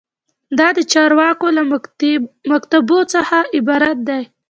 دا د چارواکو له مکاتیبو څخه عبارت دی.